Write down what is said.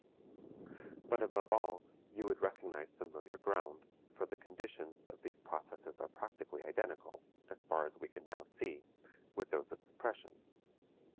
But above all you would recognize familiar ground, for the conditions of these processes are practically identical, as far as we can now see, with those of suppression.